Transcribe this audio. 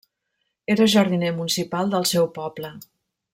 Era jardiner municipal del seu poble.